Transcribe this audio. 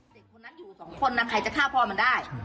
เด็กคนนั้นอยู่สองคนนะใครจะฆ่าพ่อมันได้